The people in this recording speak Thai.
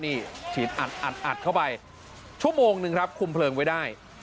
นี่ฉีดอัดอัดเข้าไปชั่วโมงนึงครับคุมเพลิงไว้ได้